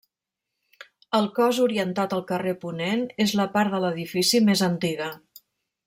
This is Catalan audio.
El cos orientat al carrer Ponent és la part de l'edifici més antiga.